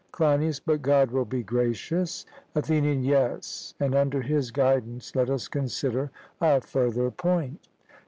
CLEINIAS: But God will be gracious. ATHENIAN: Yes; and under his guidance let us consider a further point.